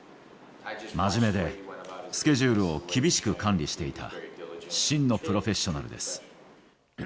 真面目で、スケジュールを厳しく管理していた、真のプロフェッショナルです。